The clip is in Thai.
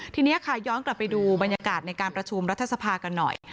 ทีนี้ค่ะย้อนกลับไปดูบรรยากาศในการประชุมรัฐสภากันหน่อย